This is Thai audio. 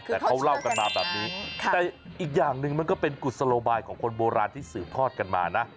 แต่เขาเล่ากันมาแบบนี้แต่อีกอย่างหนึ่งมันก็เป็นกุศโลบายของคนโบราณที่สืบทอดกันมานะ